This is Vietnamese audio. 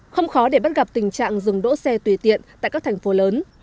không khó để bắt gặp tình trạng dừng đỗ xe tùy tiện tại các thành phố lớn